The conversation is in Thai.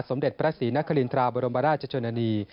สมเด็จพระศรีนครินทราบรมราชชนนานี